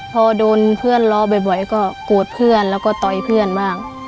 พอโดนเพื่อนล้อบ่อยก็โกรธเพื่อนแล้วก็ต่อยเพื่อนบ้าง